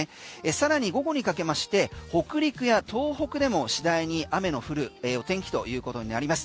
さらに午後にかけまして北陸や東北でも次第に雨の降るお天気ということになります。